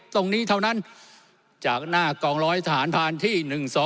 ตรงนี้เท่านั้นจากหน้ากองร้อยทหารผ่านที่๑๒